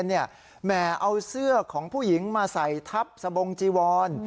แหมเอาเสื้อของผู้หญิงมาใส่ทับสบงจีวร